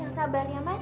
yang sabar ya mas